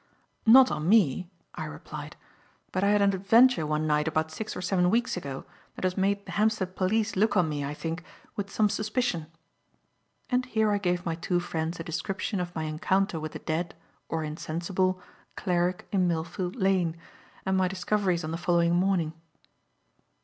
"Not on me," I replied. "But I had an adventure one night about six or seven weeks ago that has made the Hampstead police look on me, I think, with some suspicion" and here I gave my two friends a description of my encounter with the dead (or insensible) cleric in Millfield Lane, and my discoveries on the following morning.